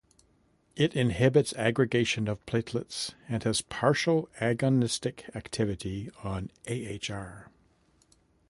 It inhibits aggregation of platelets and has partial agonistic activity on AhR.